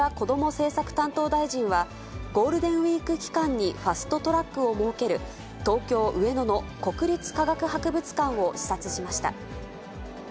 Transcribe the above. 政策担当大臣は、ゴールデンウィーク期間にファスト・トラックを設ける東京・上野の国立科学博物館を視察しました。